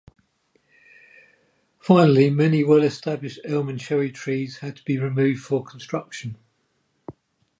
Finally, many well established elm and cherry trees had to be removed for construction.